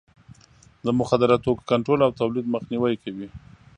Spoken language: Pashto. د مخدره توکو کنټرول او تولید مخنیوی کوي.